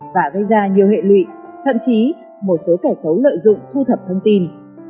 và gây ra nhiều hệ lụy thậm chí một số kẻ xấu lợi dụng thu thập thông tin